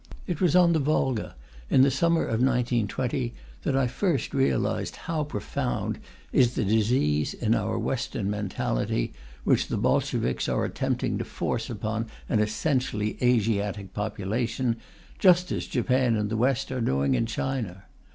It was on the Volga, in the summer of 1920, that I first realized how profound is the disease in our Western mentality, which the Bolsheviks are attempting to force upon an essentially Asiatic population, just as Japan and the West are doing in China.